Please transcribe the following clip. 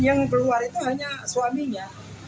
yang keluar itu hanya suaminya